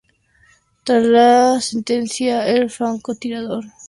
Tras la sentencia, el francotirador es puesto en libertad.